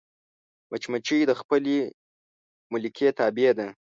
مچمچۍ د خپلې ملکې تابع ده